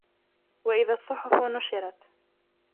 وإذا الصحف نشرت